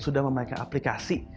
sudah memiliki aplikasi